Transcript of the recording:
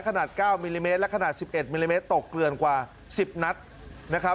ขนาดเก้ามิลลิเมตรและขนาดสิบเอ็ดมิลลิเมตรตกเกินกว่าสิบนัดนะครับ